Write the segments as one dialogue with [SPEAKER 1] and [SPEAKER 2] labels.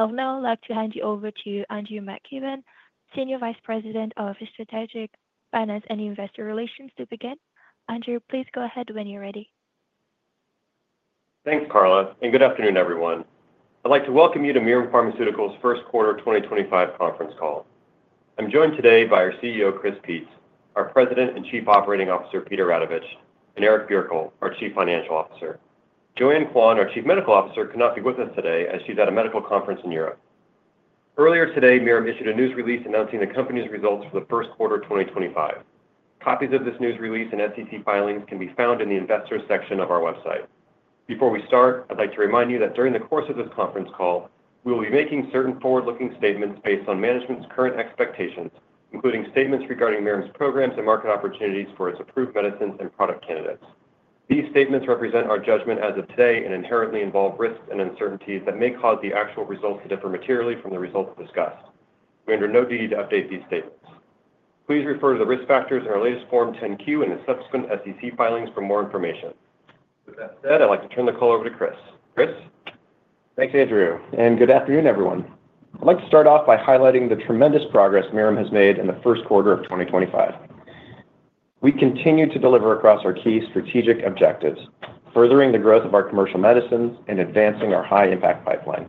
[SPEAKER 1] I'll now like to hand you over to Andrew McKibben, Senior Vice President of Strategic Finance and Investor Relations, to begin. Andrew, please go ahead when you're ready.
[SPEAKER 2] Thanks, Carla, and good afternoon, everyone. I'd like to welcome you to Mirum Pharmaceuticals' first quarter 2025 conference call. I'm joined today by our CEO, Chris Peetz, our President and Chief Operating Officer, Peter Radovich, and Eric Bjerkholt, our Chief Financial Officer. Joanne Quan, our Chief Medical Officer, could not be with us today as she's at a medical conference in Europe. Earlier today, Mirum issued a news release announcing the company's results for the first quarter 2025. Copies of this news release and SEC filings can be found in the Investors section of our website. Before we start, I'd like to remind you that during the course of this conference call, we will be making certain forward-looking statements based on management's current expectations, including statements regarding Mirum's programs and market opportunities for its approved medicines and product candidates. These statements represent our judgment as of today and inherently involve risks and uncertainties that may cause the actual results to differ materially from the results discussed. We are under no duty to update these statements. Please refer to the risk factors in our latest Form 10-Q and the subsequent SEC filings for more information. With that said, I'd like to turn the call over to Chris. Chris?
[SPEAKER 3] Thanks, Andrew, and good afternoon, everyone. I'd like to start off by highlighting the tremendous progress Mirum has made in the first quarter of 2025. We continue to deliver across our key strategic objectives, furthering the growth of our commercial medicines and advancing our high-impact pipeline.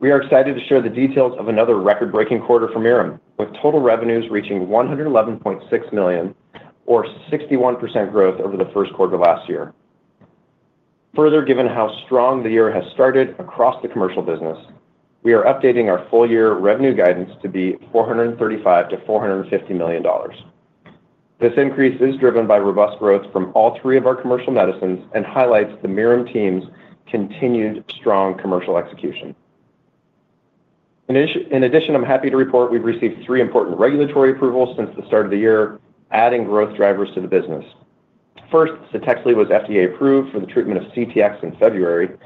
[SPEAKER 3] We are excited to share the details of another record-breaking quarter for Mirum, with total revenues reaching $111.6 million, or 61% growth over the first quarter last year. Further, given how strong the year has started across the commercial business, we are updating our full-year revenue guidance to be $435 million-$450 million. This increase is driven by robust growth from all three of our commercial medicines and highlights the Mirum team's continued strong commercial execution. In addition, I'm happy to report we've received three important regulatory approvals since the start of the year, adding growth drivers to the business. First, CTEXLI was FDA-approved for the treatment of CTX in February,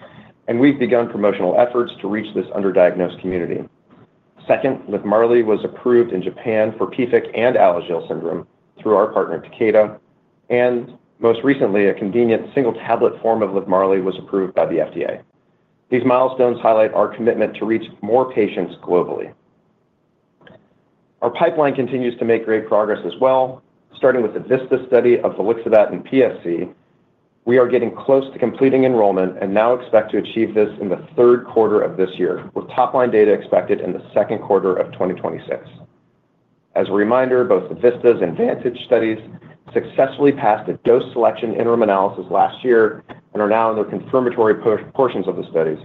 [SPEAKER 3] and we've begun promotional efforts to reach this underdiagnosed community. Second, LIVMARLI was approved in Japan for PFIC and Alagille syndrome through our partner, Takeda, and most recently, a convenient single-tablet form of LIVMARLI was approved by the FDA. These milestones highlight our commitment to reach more patients globally. Our pipeline continues to make great progress as well. Starting with the VISTAS study of volixibat in PSC, we are getting close to completing enrollment and now expect to achieve this in the third quarter of this year, with top-line data expected in the second quarter of 2026. As a reminder, both the VISTAS and VANTAGE studies successfully passed a dose selection interim analysis last year and are now in the confirmatory portions of the studies.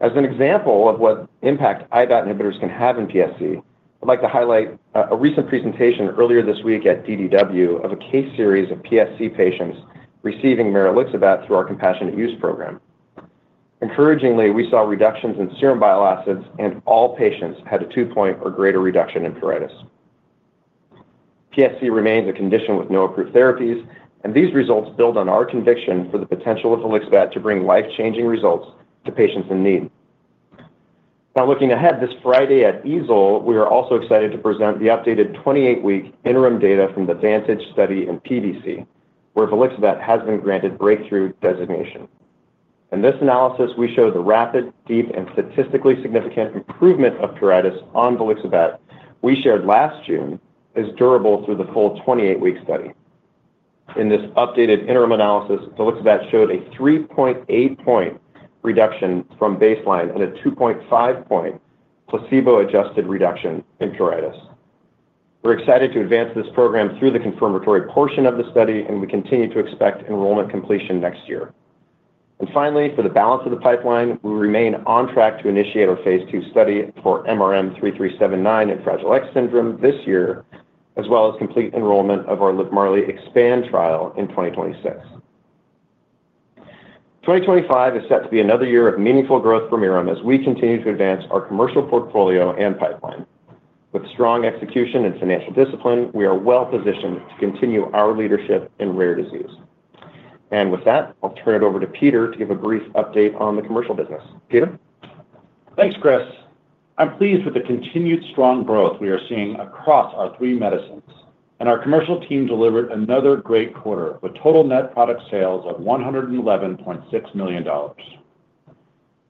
[SPEAKER 3] As an example of what impact IBAT inhibitors can have in PSC, I'd like to highlight a recent presentation earlier this week at DDW of a case series of PSC patients receiving volixibat through our compassionate use program. Encouragingly, we saw reductions in serum bile acids, and all patients had a two-point or greater reduction in pruritus. PSC remains a condition with no approved therapies, and these results build on our conviction for the potential of volixibat to bring life-changing results to patients in need. Now, looking ahead this Friday at EASL, we are also excited to present the updated 28-week interim data from the VANTAGE study in PBC, where volixibat has been granted breakthrough designation. In this analysis, we show the rapid, deep, and statistically significant improvement of pruritus on volixibat we shared last June is durable through the full 28-week study. In this updated interim analysis, volixibat showed a 3.8-point reduction from baseline and a 2.5-point placebo-adjusted reduction in pruritus. We are excited to advance this program through the confirmatory portion of the study, and we continue to expect enrollment completion next year. Finally, for the balance of the pipeline, we remain on track to initiate our phase two study for MRM-3379 in Fragile X syndrome this year, as well as complete enrollment of our LIVMARLI EXPAND trial in 2026. 2025 is set to be another year of meaningful growth for Mirum as we continue to advance our commercial portfolio and pipeline. With strong execution and financial discipline, we are well-positioned to continue our leadership in rare disease. With that, I will turn it over to Peter to give a brief update on the commercial business. Peter?
[SPEAKER 4] Thanks, Chris. I'm pleased with the continued strong growth we are seeing across our three medicines, and our commercial team delivered another great quarter with total net product sales of $111.6 million.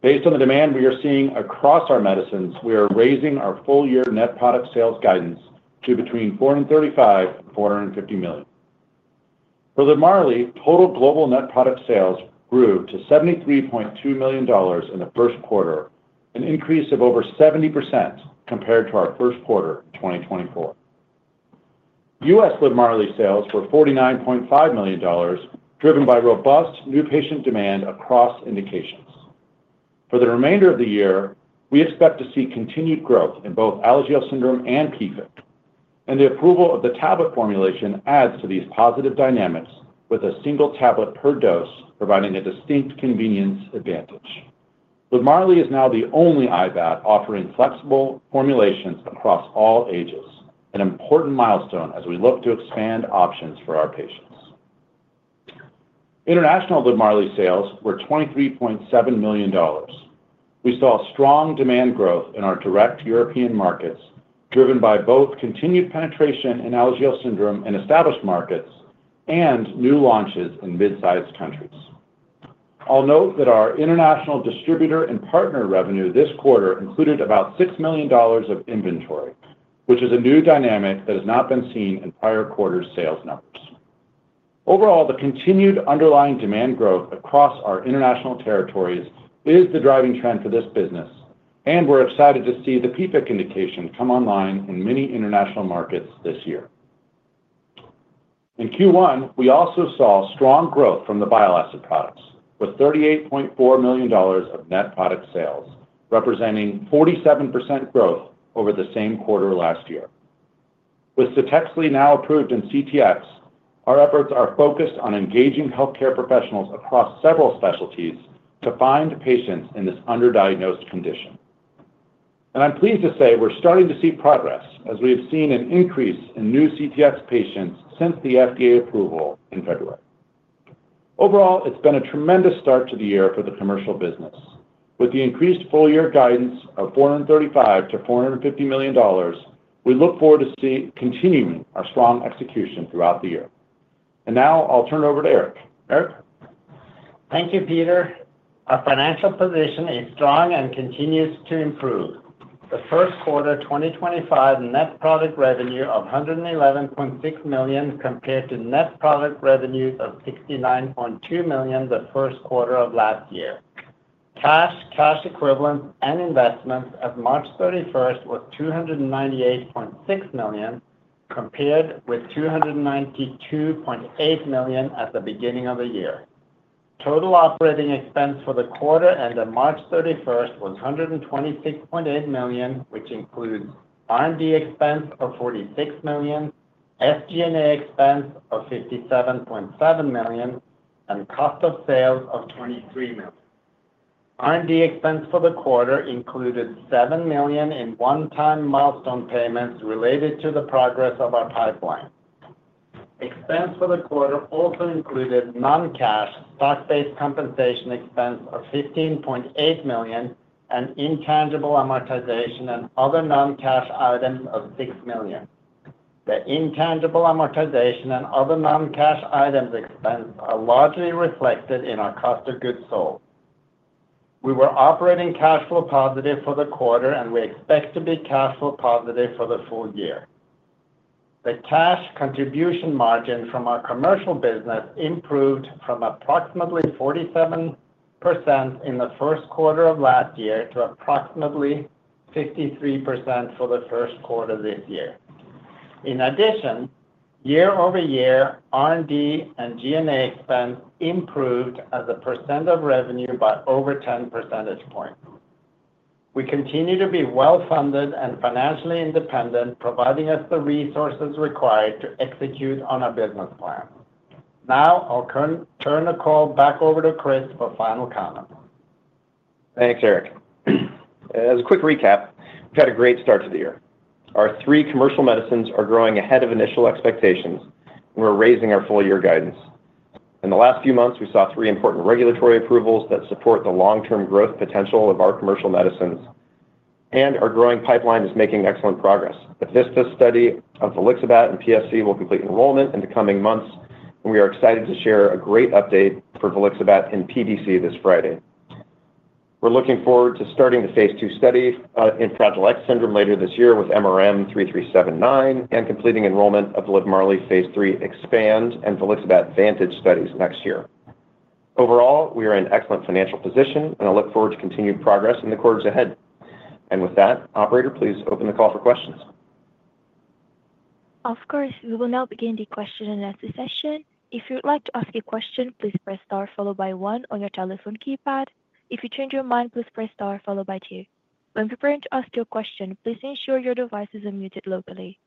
[SPEAKER 4] Based on the demand we are seeing across our medicines, we are raising our full-year net product sales guidance to between $435 million-$450 million. For LIVMARLI, total global net product sales grew to $73.2 million in the first quarter, an increase of over 70% compared to our first quarter 2024. U.S. LIVMARLI sales were $49.5 million, driven by robust new patient demand across indications. For the remainder of the year, we expect to see continued growth in both Alagille syndrome and PFIC, and the approval of the tablet formulation adds to these positive dynamics, with a single tablet per dose providing a distinct convenience advantage. LIVMARLI is now the only IBAT offering flexible formulations across all ages, an important milestone as we look to expand options for our patients. International LIVMARLI sales were $23.7 million. We saw strong demand growth in our direct European markets, driven by both continued penetration in Alagille syndrome in established markets and new launches in mid-sized countries. I'll note that our international distributor and partner revenue this quarter included about $6 million of inventory, which is a new dynamic that has not been seen in prior quarter sales numbers. Overall, the continued underlying demand growth across our international territories is the driving trend for this business, and we're excited to see the PFIC indication come online in many international markets this year. In Q1, we also saw strong growth from the bile acid products, with $38.4 million of net product sales, representing 47% growth over the same quarter last year. With CTEXLI now approved in CTX, our efforts are focused on engaging healthcare professionals across several specialties to find patients in this underdiagnosed condition. I'm pleased to say we're starting to see progress as we have seen an increase in new CTX patients since the FDA approval in February. Overall, it's been a tremendous start to the year for the commercial business. With the increased full-year guidance of $435 million-$450 million, we look forward to continuing our strong execution throughout the year. Now I'll turn it over to Eric. Eric?
[SPEAKER 5] Thank you, Peter. Our financial position is strong and continues to improve. The first quarter 2025 net product revenue of $111.6 million compared to net product revenues of $69.2 million the first quarter of last year. Cash, cash equivalents, and investments as of March 31 was $298.6 million compared with $292.8 million at the beginning of the year. Total operating expense for the quarter ended March 31 was $126.8 million, which includes R&D expense of $46 million, SG&A expense of $57.7 million, and cost of sales of $23 million. R&D expense for the quarter included $7 million in one-time milestone payments related to the progress of our pipeline. Expense for the quarter also included non-cash stock-based compensation expense of $15.8 million and intangible amortization and other non-cash items of $6 million. The intangible amortization and other non-cash items expense are largely reflected in our cost of goods sold. We were operating cash flow positive for the quarter, and we expect to be cash flow positive for the full year. The cash contribution margin from our commercial business improved from approximately 47% in the first quarter of last year to approximately 53% for the first quarter this year. In addition, year-over-year, R&D and G&A expense improved as a percent of revenue by over 10 percentage points. We continue to be well-funded and financially independent, providing us the resources required to execute on our business plan. Now I'll turn the call back over to Chris for final comments.
[SPEAKER 3] Thanks, Eric. As a quick recap, we've had a great start to the year. Our three commercial medicines are growing ahead of initial expectations, and we're raising our full-year guidance. In the last few months, we saw three important regulatory approvals that support the long-term growth potential of our commercial medicines, and our growing pipeline is making excellent progress. The VISTAS study of volixibat in PSC will complete enrollment in the coming months, and we are excited to share a great update for volixibat in PBC this Friday. We're looking forward to starting the phase two study in Fragile X syndrome later this year with MRM-3379 and completing enrollment of LIVMARLI phase three EXPAND and volixibat VANTAGE studies next year. Overall, we are in excellent financial position, and I look forward to continued progress in the quarters ahead. Operator, please open the call for questions.
[SPEAKER 1] Of course, we will now begin the question and answer session. If you'd like to ask a question, please press star followed by one on your telephone keypad. If you change your mind, please press star followed by two. When preparing to ask your question, please ensure your device is unmuted locally.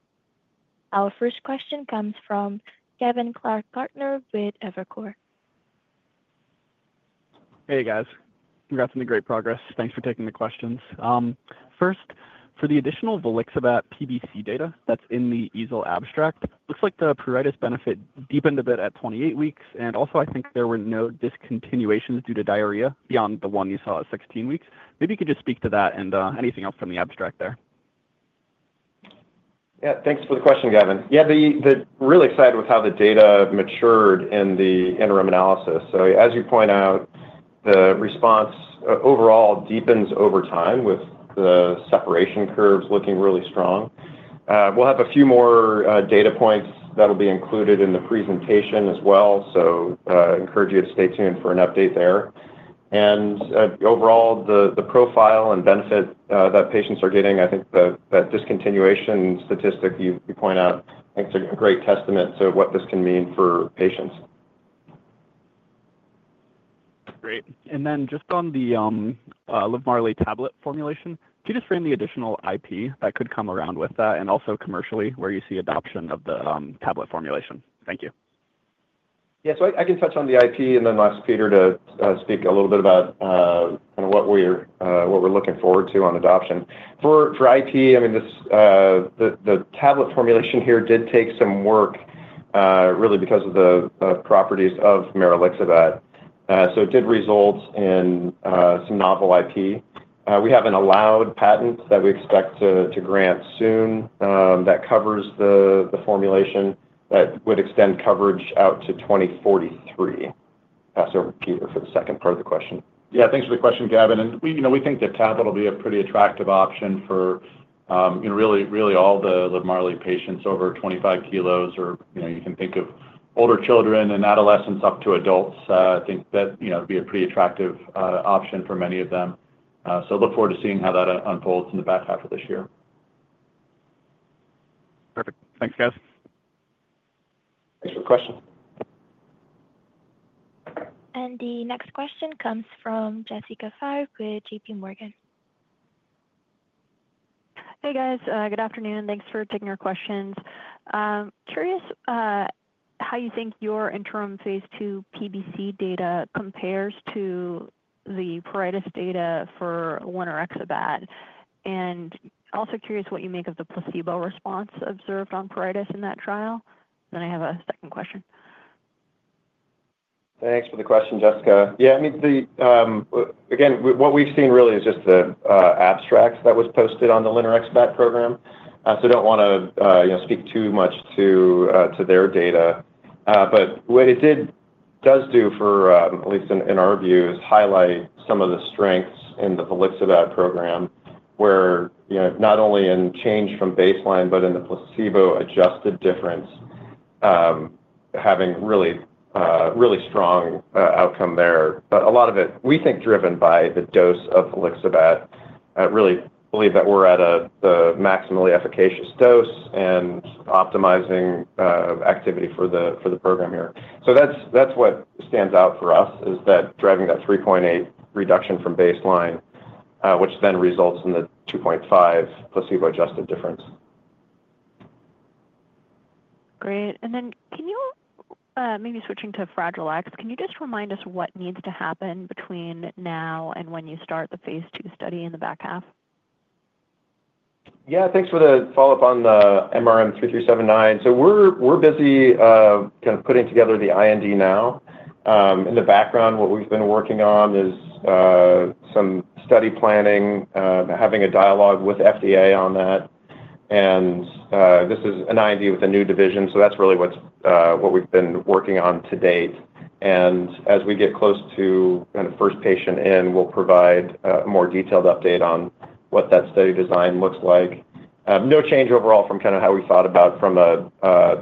[SPEAKER 1] Our first question comes from Gavin Clark-Gartner with Evercore.
[SPEAKER 6] Hey, guys. We've got some great progress. Thanks for taking the questions. First, for the additional volixibat PBC data that's in the EASL abstract, looks like the pruritus benefit deepened a bit at 28 weeks, and also, I think there were no discontinuations due to diarrhea beyond the one you saw at 16 weeks. Maybe you could just speak to that and anything else from the abstract there.
[SPEAKER 3] Yeah, thanks for the question, Gavin. Yeah, really excited with how the data matured in the interim analysis. As you point out, the response overall deepens over time with the separation curves looking really strong. We'll have a few more data points that'll be included in the presentation as well, so I encourage you to stay tuned for an update there. Overall, the profile and benefit that patients are getting, I think that discontinuation statistic you point out, I think it's a great testament to what this can mean for patients.
[SPEAKER 6] Great. And then just on the LIVMARLI tablet formulation, could you just frame the additional IP that could come around with that and also commercially where you see adoption of the tablet formulation? Thank you.
[SPEAKER 3] Yeah, so I can touch on the IP, and then I'll ask Peter to speak a little bit about kind of what we're looking forward to on adoption. For IP, I mean, the tablet formulation here did take some work really because of the properties of maralixibat, so it did result in some novel IP. We have an allowed patent that we expect to grant soon that covers the formulation that would extend coverage out to 2043. Peter, for the second part of the question.
[SPEAKER 4] Yeah, thanks for the question, Gavin. We think the tablet will be a pretty attractive option for really all the LIVMARLI patients over 25 kilos, or you can think of older children and adolescents up to adults. I think that would be a pretty attractive option for many of them. Look forward to seeing how that unfolds in the back half of this year.
[SPEAKER 6] Perfect. Thanks, guys.
[SPEAKER 3] Thanks for the question.
[SPEAKER 1] The next question comes from Jessica Farr with JPMorgan. Hey, guys. Good afternoon. Thanks for taking our questions. Curious how you think your interim phase two PBC data compares to the pruritus data for Linerixibat, and also curious what you make of the placebo response observed on pruritus in that trial. I have a second question.
[SPEAKER 3] Thanks for the question, Jessica. Yeah, I mean, again, what we've seen really is just the abstract that was posted on the volixibat program, so I don't want to speak too much to their data. What it does do, at least in our view, is highlight some of the strengths in the volixibat program, where not only in change from baseline, but in the placebo-adjusted difference, having really strong outcome there. A lot of it, we think, is driven by the dose of volixibat. Really believe that we're at the maximally efficacious dose and optimizing activity for the program here. That's what stands out for us, is that driving that 3.8 reduction from baseline, which then results in the 2.5 placebo-adjusted difference. Great. Maybe switching to Fragile X, can you just remind us what needs to happen between now and when you start the phase two study in the back half? Yeah, thanks for the follow-up on the MRM-3379. We're busy kind of putting together the IND now. In the background, what we've been working on is some study planning, having a dialogue with FDA on that. This is an IND with a new division, so that's really what we've been working on to date. As we get close to kind of first patient in, we'll provide a more detailed update on what that study design looks like. No change overall from kind of how we thought about from the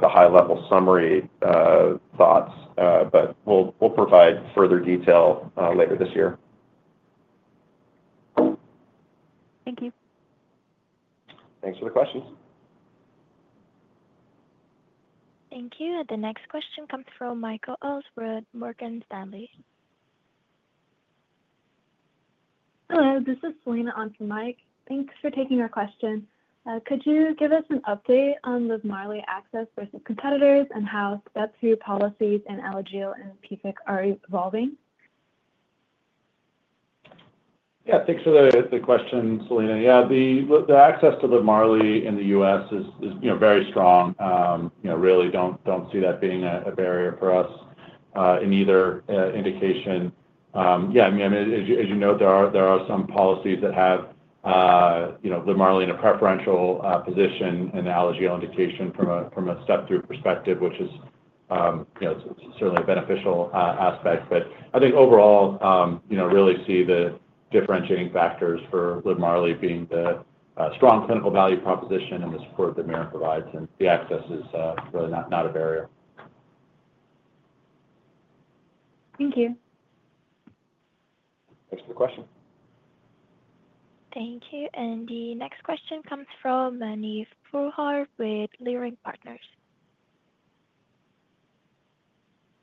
[SPEAKER 3] high-level summary thoughts, but we'll provide further detail later this year. Thank you. Thanks for the questions.
[SPEAKER 1] Thank you. The next question comes from Michael Ulz with Morgan Stanley. Hello, this is Selena on from Mike. Thanks for taking our question. Could you give us an update on LIVMARLI access versus competitors and how step-through policies in Alagille and PFIC are evolving?
[SPEAKER 3] Yeah, thanks for the question, Selena. Yeah, the access to LIVMARLI in the U.S. is very strong. Really don't see that being a barrier for us in either indication. Yeah, I mean, as you note, there are some policies that have LIVMARLI in a preferential position in the Alagille indication from a step-through perspective, which is certainly a beneficial aspect. I think overall, really see the differentiating factors for LIVMARLI being the strong clinical value proposition and the support that Mirum provides, and the access is really not a barrier. Thank you. Thanks for the question.
[SPEAKER 1] Thank you. The next question comes from Neil Farnhard with Leerink Partners.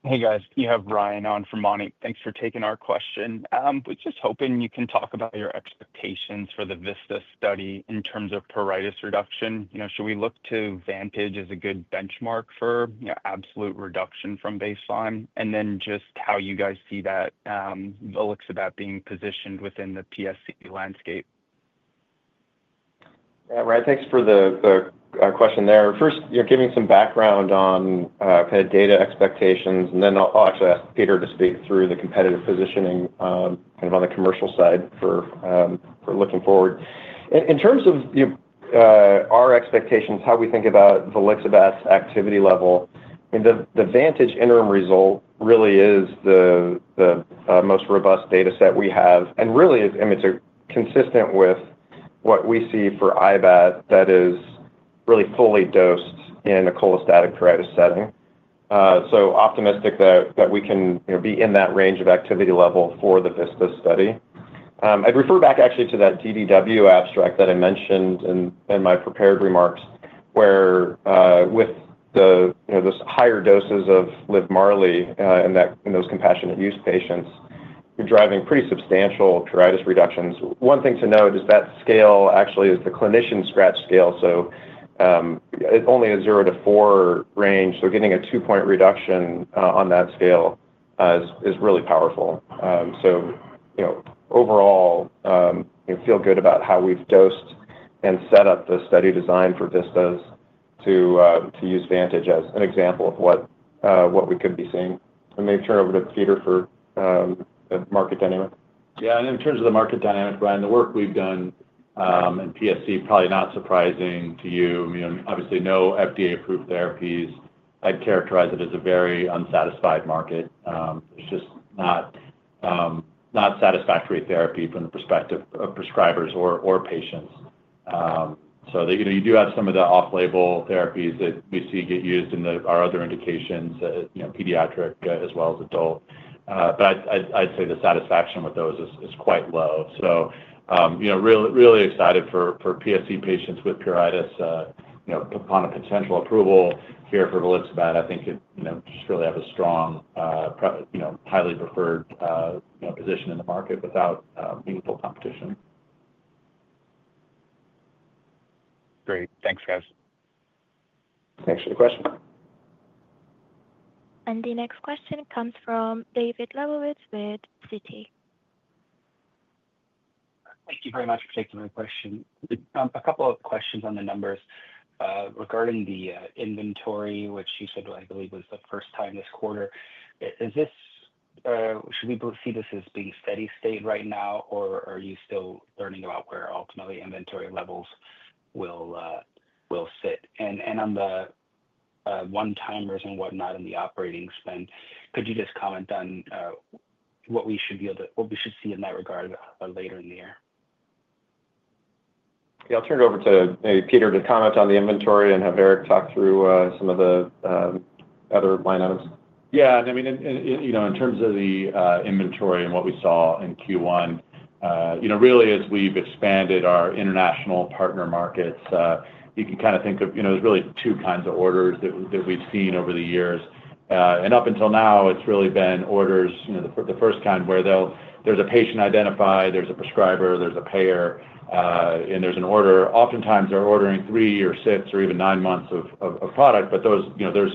[SPEAKER 1] Hey, guys. We have Ryan on from Moni. Thanks for taking our question. We're just hoping you can talk about your expectations for the VISTAS study in terms of pruritus reduction. Should we look to VANTAGE as a good benchmark for absolute reduction from baseline? And then just how you guys see that volixibat being positioned within the PSC landscape?
[SPEAKER 3] Yeah, Ryan, thanks for the question there. First, giving some background on kind of data expectations, and then I'll actually ask Peter to speak through the competitive positioning kind of on the commercial side for looking forward. In terms of our expectations, how we think about volixibat's activity level, the VANTAGE interim result really is the most robust data set we have, and really it's consistent with what we see for IBAT that is really fully dosed in a cholestatic pruritus setting. Optimistic that we can be in that range of activity level for the VISTAS study. I'd refer back actually to that DDW abstract that I mentioned in my prepared remarks, where with the higher doses of LIVMARLI in those compassionate use patients, you're driving pretty substantial pruritus reductions. One thing to note is that scale actually is the clinician scratch scale, so it's only a zero to four range, so getting a two-point reduction on that scale is really powerful. Overall, feel good about how we've dosed and set up the study design for VISTAS to use VANTAGE as an example of what we could be seeing. Maybe turn over to Peter for the market dynamic.
[SPEAKER 4] Yeah, and in terms of the market dynamic, Ryan, the work we've done in PSC, probably not surprising to you. Obviously, no FDA-approved therapies. I'd characterize it as a very unsatisfied market. It's just not satisfactory therapy from the perspective of prescribers or patients. You do have some of the off-label therapies that we see get used in our other indications, pediatric as well as adult. I'd say the satisfaction with those is quite low. Really excited for PSC patients with pruritus. Upon a potential approval here for volixibat, I think it just really has a strong, highly preferred position in the market without meaningful competition. Great. Thanks, guys.
[SPEAKER 3] Thanks for the question.
[SPEAKER 1] The next question comes from David Lebowitz with Citi.
[SPEAKER 7] Thank you very much for taking my question. A couple of questions on the numbers. Regarding the inventory, which you said, I believe, was the first time this quarter, should we see this as being steady state right now, or are you still learning about where ultimately inventory levels will sit? On the one-timers and whatnot in the operating spend, could you just comment on what we should see in that regard later in the year?
[SPEAKER 3] Yeah, I'll turn it over to Peter to comment on the inventory and have Eric talk through some of the other line items.
[SPEAKER 4] Yeah, and I mean, in terms of the inventory and what we saw in Q1, really as we've expanded our international partner markets, you can kind of think of there's really two kinds of orders that we've seen over the years. Up until now, it's really been orders, the first kind where there's a patient identified, there's a prescriber, there's a payer, and there's an order. Oftentimes, they're ordering three or six or even nine months of product, but there's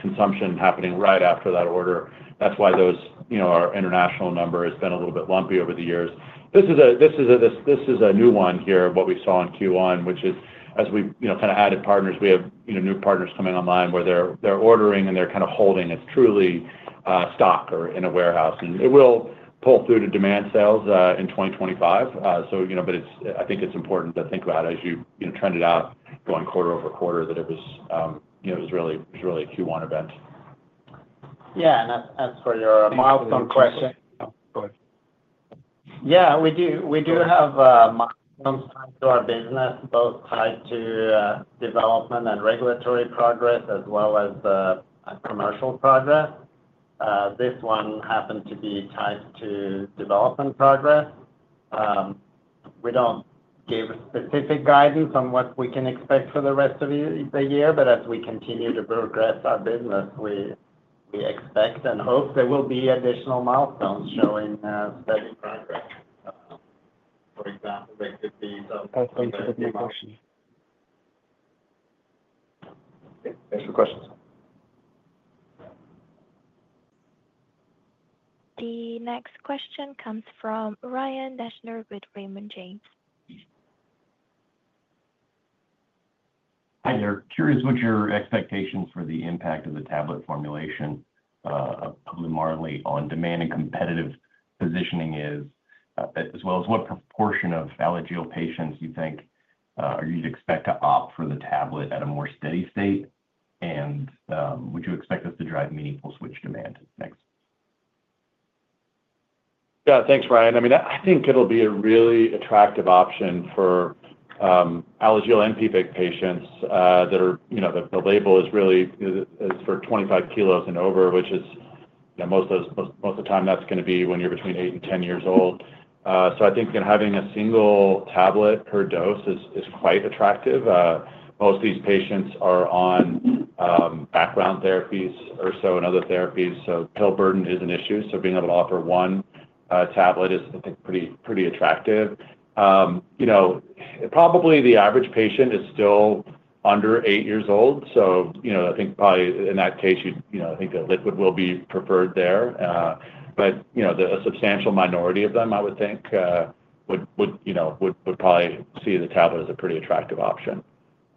[SPEAKER 4] consumption happening right after that order. That's why our international number has been a little bit lumpy over the years. This is a new one here, what we saw in Q1, which is as we kind of added partners, we have new partners coming online where they're ordering and they're kind of holding. It's truly stock or in a warehouse. It will pull through to demand sales in 2025, but I think it's important to think about as you trend it out going quarter- over-quarter that it was really a Q1 event.
[SPEAKER 5] Yeah, and as for your milestone question.
[SPEAKER 4] Go ahead.
[SPEAKER 5] Yeah, we do have milestones tied to our business, both tied to development and regulatory progress as well as commercial progress. This one happened to be tied to development progress. We do not give specific guidance on what we can expect for the rest of the year, but as we continue to progress our business, we expect and hope there will be additional milestones showing steady progress. For example, there could be some things that we mentioned.
[SPEAKER 4] Thanks for the questions.
[SPEAKER 1] The next question comes from Ryan Deschner with Raymond James.
[SPEAKER 8] Hi, they're curious what your expectations for the impact of the tablet formulation of LIVMARLI on demand and competitive positioning is, as well as what proportion of Alagille patients you think you'd expect to opt for the tablet at a more steady state, and would you expect this to drive meaningful switch demand? Thanks.
[SPEAKER 3] Yeah, thanks, Ryan. I mean, I think it'll be a really attractive option for Alagille and PFIC patients that the label is really for 25 kilos and over, which is most of the time that's going to be when you're between 8 and 10 years old. I think having a single tablet per dose is quite attractive. Most of these patients are on background therapies or so and other therapies, so pill burden is an issue. Being able to offer one tablet is, I think, pretty attractive. Probably the average patient is still under 8 years old, so I think probably in that case, I think the liquid will be preferred there. A substantial minority of them, I would think, would probably see the tablet as a pretty attractive option.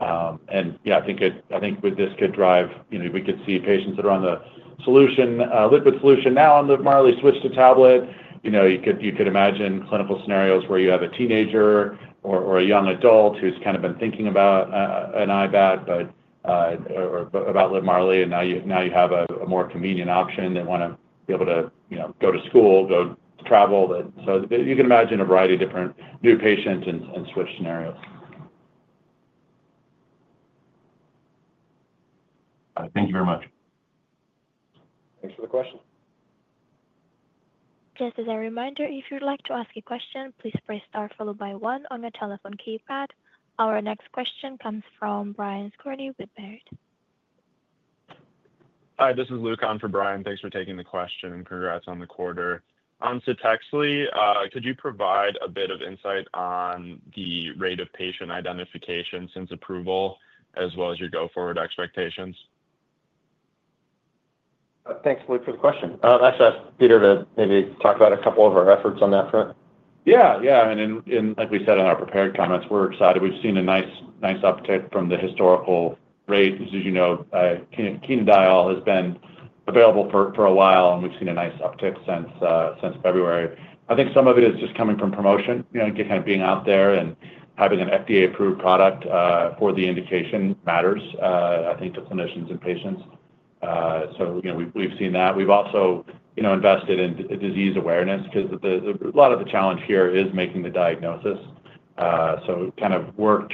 [SPEAKER 3] Yeah, I think this could drive, we could see patients that are on the liquid solution now on LIVMARLI switch to tablet. You could imagine clinical scenarios where you have a teenager or a young adult who's kind of been thinking about an IBAT or about LIVMARLI, and now you have a more convenient option and want to be able to go to school, go travel. You can imagine a variety of different new patients and switch scenarios.
[SPEAKER 8] Thank you very much.
[SPEAKER 3] Thanks for the question.
[SPEAKER 1] Just as a reminder, if you'd like to ask a question, please press star followed by one on your telephone keypad. Our next question comes from Brian Skorney with Baird. Hi, this is Luke on for Brian. Thanks for taking the question and congrats on the quarter. On CTEXLI, could you provide a bit of insight on the rate of patient identification since approval, as well as your go-forward expectations?
[SPEAKER 3] Thanks, Luke, for the question. Actually, I asked Peter to maybe talk about a couple of our efforts on that front.
[SPEAKER 4] Yeah, yeah. Like we said in our prepared comments, we're excited. We've seen a nice uptick from the historical rate. As you know, chenodiol has been available for a while, and we've seen a nice uptick since February. I think some of it is just coming from promotion, kind of being out there and having an FDA-approved product for the indication matters, I think, to clinicians and patients. We've seen that. We've also invested in disease awareness because a lot of the challenge here is making the diagnosis. Kind of work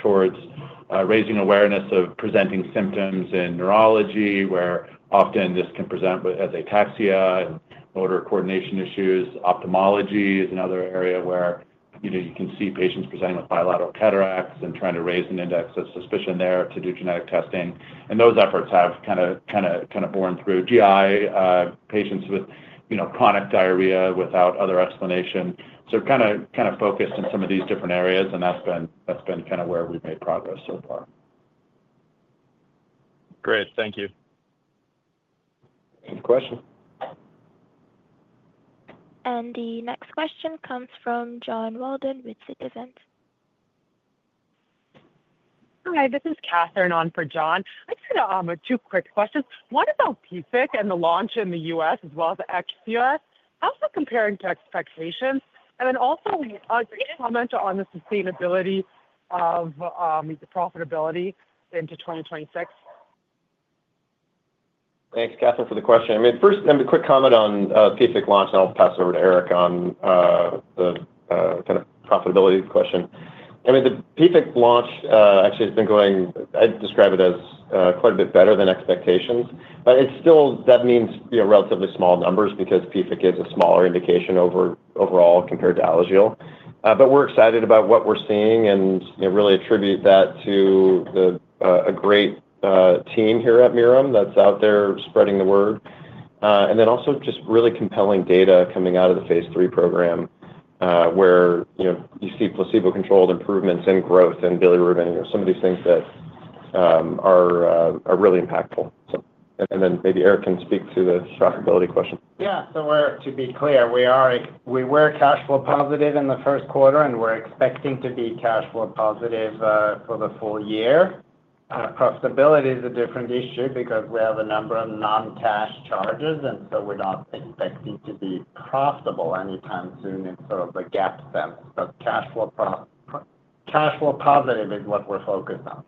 [SPEAKER 4] towards raising awareness of presenting symptoms in neurology, where often this can present as ataxia and motor coordination issues. Ophthalmology is another area where you can see patients presenting with bilateral cataracts and trying to raise an index of suspicion there to do genetic testing. Those efforts have kind of borne through GI patients with chronic diarrhea without other explanation. Kind of focused in some of these different areas, and that's been kind of where we've made progress so far. Great. Thank you.
[SPEAKER 3] Thanks for the question.
[SPEAKER 1] The next question comes from John Walden with Citizens. Hi, this is Catherine on for John. I just had two quick questions. One about PFIC and the launch in the U.S. as well as the ex-U.S. How's that comparing to expectations? Also, a comment on the sustainability of the profitability into 2026.
[SPEAKER 3] Thanks, Catherine, for the question. I mean, first, a quick comment on PFIC launch, and I'll pass it over to Eric on the kind of profitability question. I mean, the PFIC launch actually has been going, I'd describe it as quite a bit better than expectations. That means relatively small numbers because PFIC is a smaller indication overall compared to Alagille. We're excited about what we're seeing and really attribute that to a great team here at Mirum that's out there spreading the word. Also, just really compelling data coming out of the phase three program, where you see placebo-controlled improvements in growth and bilirubin, some of these things that are really impactful. Maybe Eric can speak to the profitability question.
[SPEAKER 5] Yeah, so to be clear, we were cash flow positive in the first quarter, and we're expecting to be cash flow positive for the full year. Profitability is a different issue because we have a number of non-cash charges, and so we're not expecting to be profitable anytime soon in sort of a GAAP sense. Cash flow positive is what we're focused on.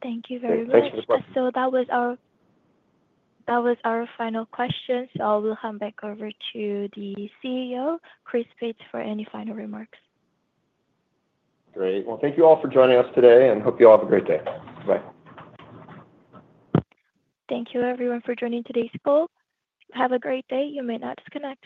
[SPEAKER 1] Thank you very much.
[SPEAKER 4] Thanks for the question.
[SPEAKER 1] That was our final question. I'll hand back over to the CEO, Chris Peetz, for any final remarks.
[SPEAKER 3] Great. Thank you all for joining us today, and hope you all have a great day. Bye.
[SPEAKER 1] Thank you, everyone, for joining today's call. Have a great day. You may now disconnect.